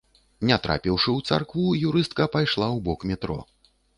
Не трапіўшы ў царкву, юрыстка пайшла ў бок метро.